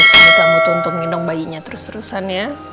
sini kamu tuntung gendong bayinya terus terusan ya